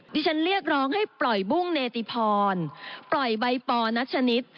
เรียกร้องให้ปล่อยบุ้งเนติพรปล่อยใบปอนัชนิด